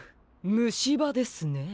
むしばですね。